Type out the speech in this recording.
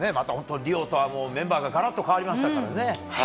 リオとはメンバーがガラッと変わりましたからね。